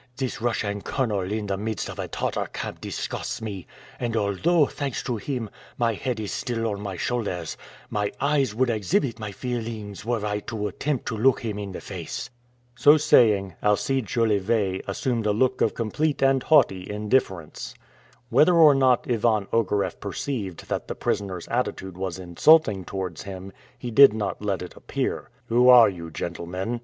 This Russian colonel in the midst of a Tartar camp disgusts me; and although, thanks to him, my head is still on my shoulders, my eyes would exhibit my feelings were I to attempt to look him in the face." So saying, Alcide Jolivet assumed a look of complete and haughty indifference. Whether or not Ivan Ogareff perceived that the prisoner's attitude was insulting towards him, he did not let it appear. "Who are you, gentlemen?"